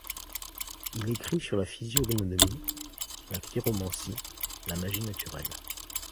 Il a écrit sur la physiognomonie, la chiromancie, la magie naturelle.